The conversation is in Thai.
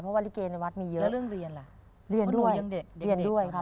เพราะว่าลิเกย์ในวัดมีเยอะ